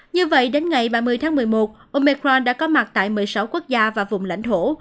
như vậy đến ngày ba mươi tháng một mươi một ông mecron đã có mặt tại một mươi sáu quốc gia và vùng lãnh thổ